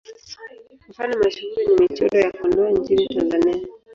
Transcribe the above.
Mfano mashuhuri ni Michoro ya Kondoa nchini Tanzania.